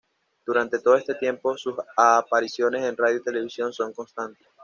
Durante todo este tiempo, sus apariciones en radio y televisión son constantes.